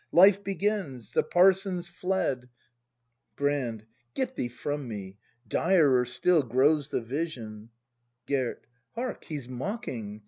Life begins! The parson's fled! ACT III] BRAND 149 Brand. Get thee from me! Direr still Grows the vision Gerd, Hark, he's mocking!